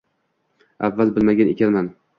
Avval bilmagan ekanman